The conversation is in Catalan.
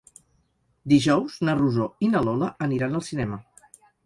Dijous na Rosó i na Lola aniran al cinema.